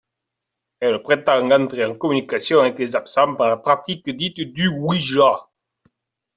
Elle prétend entrer en communication avec les absents par la pratique dite du Oui-ja.